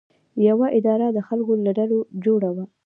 یوه اداره د خلکو له ډلو جوړه وي.